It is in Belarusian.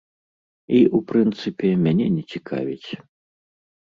І, у прынцыпе, мяне не цікавіць.